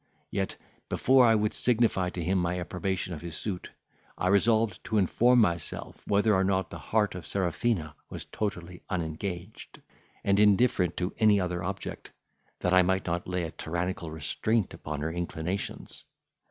Yet, before I would signify to him my approbation of his suit, I resolved to inform myself whether or not the heart of Serafina was totally unengaged, and indifferent to any other object, that I might not lay a tyrannical restraint upon her inclinations.